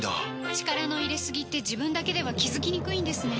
力の入れすぎって自分だけでは気付きにくいんですね